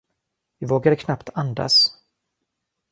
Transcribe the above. Vi vågade knappt andas.